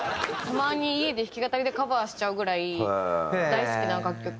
たまに家で弾き語りでカバーしちゃうぐらい大好きな楽曲。